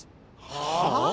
はあ？